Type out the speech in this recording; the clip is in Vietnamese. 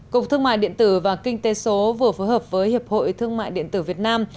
cục thương mại điện tử và kinh tế số vừa phối hợp với hiệp hội thương mại điện tử việt nam